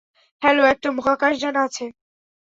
Hello, একটা মহাকাশযান আছে।